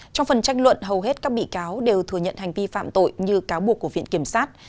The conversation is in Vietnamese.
trong phần tranh luận hầu hết các bị cáo đều thừa nhận hành vi phạm tội như cáo buộc của viện kiểm sát